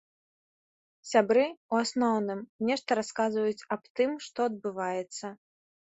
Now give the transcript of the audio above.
Сябры, у асноўным, нешта расказваюць аб тым, што адбываецца.